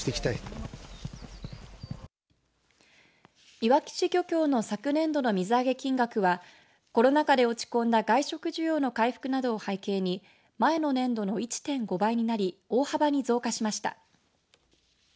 いわき市漁協の昨年度の水揚げ金額はコロナ禍で落ち込んだ外食需要の回復などを背景に前の年度の１．５倍になり大幅に増加しました。